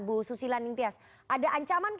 bu susila ningtyas ada ancaman